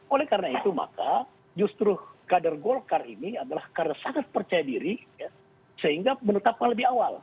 oleh karena itu maka justru kader golkar ini adalah karena sangat percaya diri sehingga menetapkan lebih awal